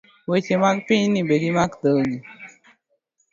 Weche mag pinyin be dimak dhogi